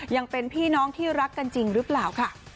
ยังเป็นพี่น้องที่รักกันจริงหรือเปล่าค่ะ